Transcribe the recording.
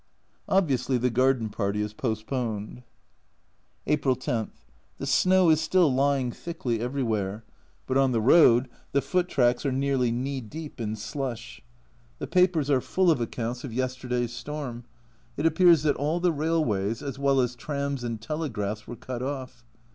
Obviously the garden party is postponed. April 10. The snow is still lying thickly every 136 A Journal from Japan where, but on the road the foot tracks are nearly knee deep in slush. The papers are full of accounts of yesterday's storm. It appears that all the railways, as well as trams and telegraphs, were cut off.